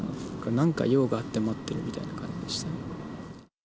なんか用があって待っているみたいな感じでしたね。